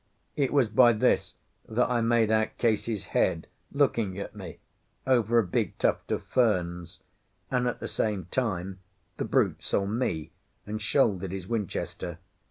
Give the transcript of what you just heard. It was by this that I made out Case's head looking at me over a big tuft of ferns, and at the same time the brute saw me and shouldered his Winchester.